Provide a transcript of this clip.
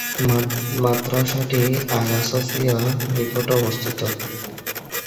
মাদ্রাসাটি Aya Sophia নিকটে অবস্থিত।